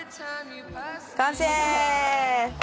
完成！